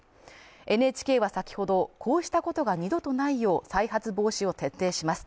ＮＨＫは先ほど、こうしたことが二度とないよう、再発防止を徹底します